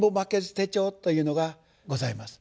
手帳というのがございます。